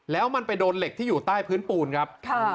แล้วมันไปโดนเหล็กที่อยู่ใต้พื้นปูนครับ